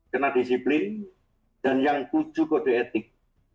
kena disiplin dan yang tujuh kode etik